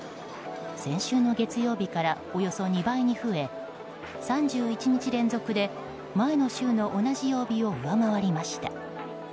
先週の月曜日からおよそ２倍に増え３１日連続で前の週の同じ曜日を上回りました。